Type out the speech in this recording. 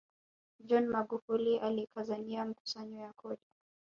john magufuli alikazania makusanyo ya kodi